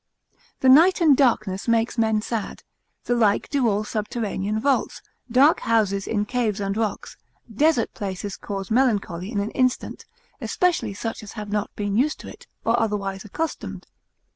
The night and darkness makes men sad, the like do all subterranean vaults, dark houses in caves and rocks, desert places cause melancholy in an instant, especially such as have not been used to it, or otherwise accustomed.